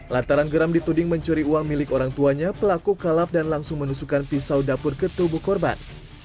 lantaran geram dituding mencuri uang milik orang tuanya pelaku kalap dan langsung menusukkan pisau dapur ke tubuh korban